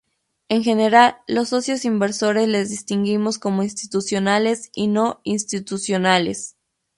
En general los socios inversores les distinguimos como institucionales y no institucionales.